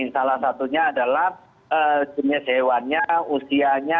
salah satunya adalah jenis hewan